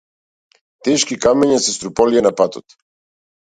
Тешки камења се струполија на патот.